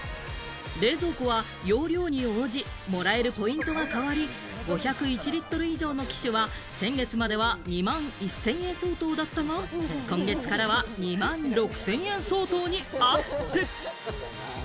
冷蔵庫は容量に応じ、もらえるポイントが変わり、５０１リットル以上の機種は、先月までは２万１０００円相当だったが、今月からは２万６０００円相当にアップ。